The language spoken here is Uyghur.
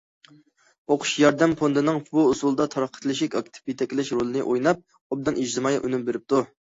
ئوقۇش ياردەم فوندىنىڭ بۇ ئۇسۇلدا تارقىتىلىشى ئاكتىپ يېتەكلەش رولىنى ئويناپ، ئوبدان ئىجتىمائىي ئۈنۈم بېرىپتۇ.